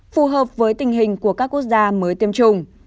phù hợp với tình hình của các quốc gia mới tiêm chủng